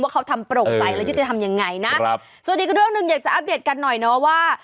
ว่าเขาทำโปร่งไปแล้วจะทำยังไงนะส่วนดีก็เรื่องหนึ่งอยากจะอัพเดทกันหน่อยเนอะว่า